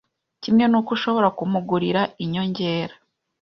Kimwe n’uko ushobora kumugurira inyongera